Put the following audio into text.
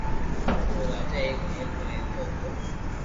ڪوئي راجا ايڪ مھل ۾ رھتو ھتو